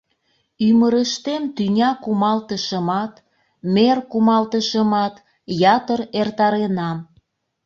Ӱмырыштем тӱня кумалтышымат, мер кумалтышымат ятыр эртаренам.